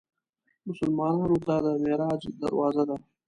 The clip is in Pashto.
مسلمانانو ته د معراج دروازه ده.